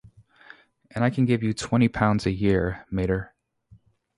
And I can give you twenty pounds a year, mater.